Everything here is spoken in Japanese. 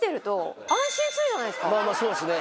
まぁまぁそうですね